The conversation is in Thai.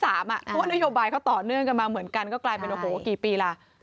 เพราะว่านโยบายเขาต่อเนื่องกันมาเหมือนกันก็กลายเป็นโอ้โหกี่ปีล่ะ